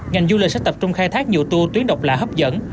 ngành du lịch sẽ tập trung khai thác nhiều tour tuyến độc lạ hấp dẫn